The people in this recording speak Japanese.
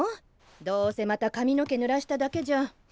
どうせまたかみの毛ぬらしただけじゃ。